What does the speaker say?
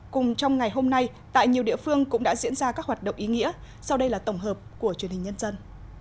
cùng trong ngày hôm nay tại nhiều địa phương cũng đã diễn ra các hoạt động ý nghĩa sau đây là tổng hợp của truyền hình nhân dân